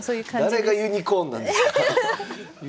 誰がユニコーンなんですか。